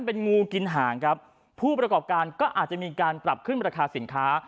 เป็นงูกินหางครับผู้ประกอบการก็อาจจะมีการปรับขึ้นราคาสินค้า